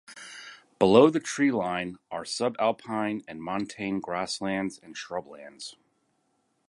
Below the tree line are subalpine and montane grasslands and shrublands.